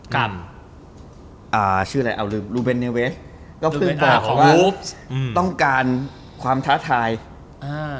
กรรมอ่าชื่ออะไรเอาลืมลูเบนเนเวต้องการความท้าทายอ่า